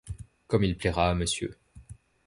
Comme il plaira à monsieur.